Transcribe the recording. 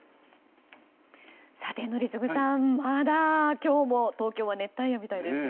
宜嗣さん、まだ今日も東京は熱帯夜みたいですよ。